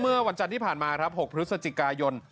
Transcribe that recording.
เมื่อวันจันทร์ที่ผ่านมาครับ๖พฤศจิกายน